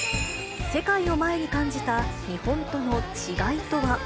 世界を前に感じた、日本との違いとは。